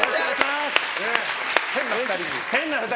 変な２人。